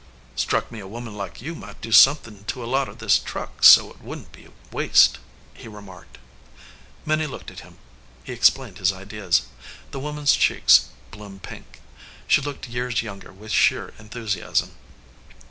"Struck me a woman like you might do some 307 EDGEWATER PEOPLE thin* to a lot of this truck so it wouldn t be waste," he remarked. Minnie looked at him. He explained his ideas. The woman s cheeks bloomed pink. She looked years younger with sheer enthusiasm.